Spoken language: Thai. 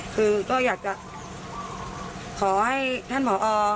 คือก็อยากจะขอให้ท่านผอ